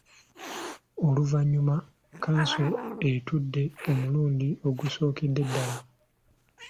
Oluvannyuma kkanso etudde omulundi ogusookedde ddala.